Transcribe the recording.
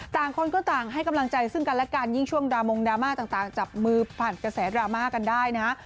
ต่างคนก็ต่างให้กำลังใจซึ่งกันและกันยิ่งช่วงดามงดราม่าต่างจับมือผ่านกระแสดราม่ากันได้นะฮะ